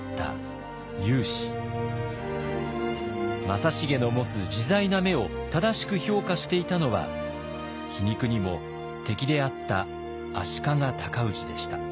正成の持つ自在な目を正しく評価していたのは皮肉にも敵であった足利尊氏でした。